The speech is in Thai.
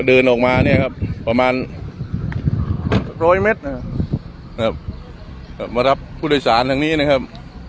เดินออกมาประมาณ๑๐๐เมตรมารับผู้โดยสารทางนี้นะครับ